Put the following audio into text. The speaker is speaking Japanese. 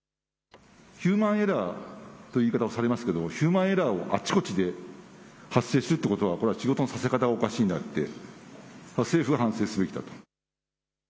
ヒューマンエラーという言い方をされますがヒューマンエラーをあちこちで発生しているということは仕事のさせ方がおかしいのであって政府は反省すべき。